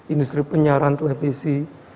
industri penyiaran televisi